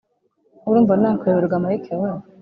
urumva nakuyoberwa mike we?"